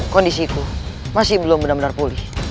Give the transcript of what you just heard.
kondisiku masih belum benar benar pulih